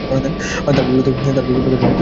তার বিপরীত ঘটলে মাথা হেঁট হয়।